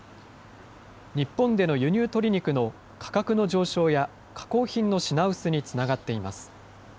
日本での輸入鶏肉の価格の上昇や、加工品の品薄につながっています。